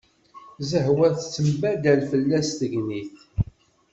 Zehwa tembaddal fell-as tegnit.